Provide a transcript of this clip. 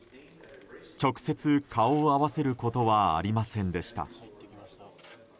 直接顔を合わせることはありませんでした。